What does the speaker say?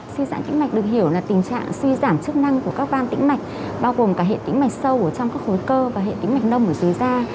suy giảm tĩnh mạch được hiểu là tình trạng suy giảm chức năng của các van tĩnh mạch bao gồm cả hệ tĩnh mạch sâu trong các khối cơ và hệ tĩnh mạch nông ở dưới da